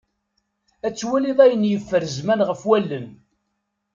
Ad twaliḍ ayen yeffer zzman ɣef wallen.